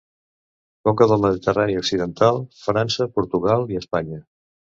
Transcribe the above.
Conca del Mediterrani occidental, França, Portugal i Espanya.